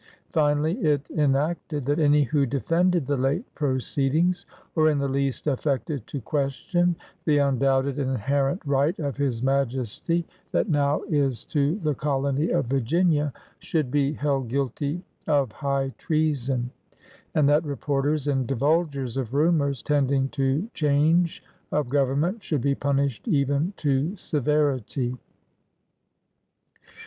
Finally it enacted that any who defended the late proceedings, or in the least affected to question '^ the undoubted and inherent right of his Majesty that now is to the CoUony of Virginia should be held guilty of high treason; and that ^'reporters and divulgers*' of rumors tending to change of government should be punished " even to severity.'